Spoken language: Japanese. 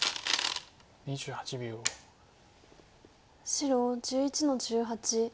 白１１の十八。